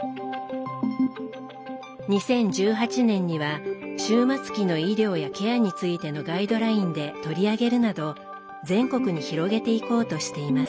２０１８年には終末期の医療やケアについてのガイドラインで取り上げるなど全国に広げていこうとしています。